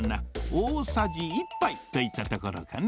大さじ１ぱいといったところかな。